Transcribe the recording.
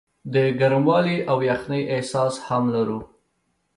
د ګرموالي او یخنۍ احساس هم لرو.